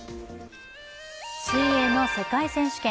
水泳の世界選手権。